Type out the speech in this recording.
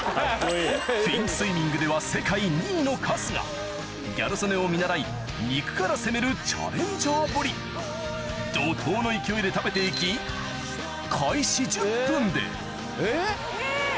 フィンスイミングでは世界２位の春日ギャル曽根を見習い肉から攻めるチャレンジャーぶり怒濤の勢いで食べていきえっ！